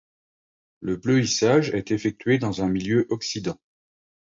Le bleuissage est effectué dans un milieu oxydant.